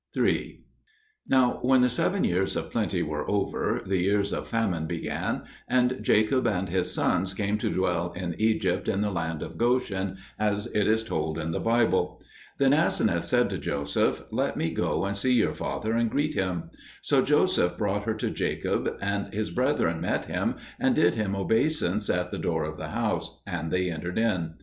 III Now when the seven years of plenty were over, the years of famine began, and Jacob and his sons came to dwell in Egypt in the land of Goshen, as it is told in the Bible. Then Aseneth said to Joseph, "Let me go and see your father and greet him." So Joseph brought her to Jacob, and his brethren met him and did him obeisance at the door of the house, and they entered in.